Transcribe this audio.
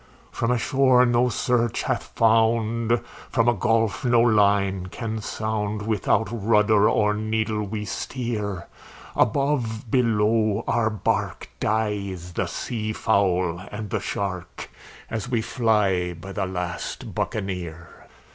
"From a shore no search hath found, from a gulf no line can sound, Without rudder or needle we steer; Above, below, our bark, dies the sea fowl and the shark, As we fly by the last Buccaneer.